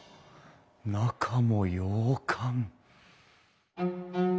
中も洋館。